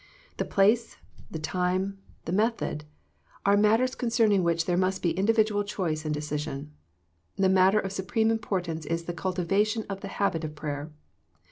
The place, the time, the method, are matters concerning which there must be individual choice and decision. The matter of supreme importance is the cultivation of the habit of prayer.